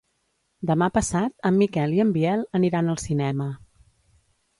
Demà passat en Miquel i en Biel aniran al cinema.